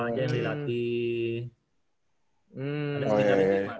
ada segitarnya kayak gimana